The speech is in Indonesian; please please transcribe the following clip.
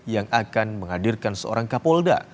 yang akan menghadirkan seorang kapolda